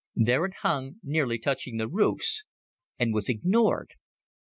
There it hung, nearly touching the roofs, and was ignored.